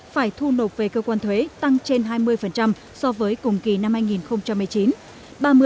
phải thu nộp về cơ quan thuế tăng trên hai mươi so với cùng kỳ năm hai nghìn một mươi chín